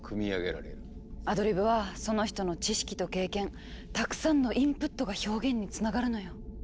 アドリブはその人の知識と経験たくさんのインプットが表現につながるのよ。